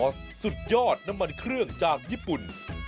สุดยอดน้ำมันเครื่องจากญี่ปุ่น